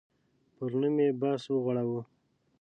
پر نوم یې بحث وغوړاوه.